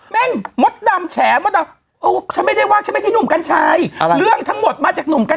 แม่งมดดำแฉฉันไม่ได้วางฉันไม่ได้หนุ่มกัญชัยเรื่องทั้งหมดมาจากหนุ่มกัญชัย